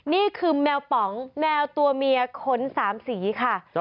นี่คือแมวป๋องแมวตัวเมียขน๓สีค่ะ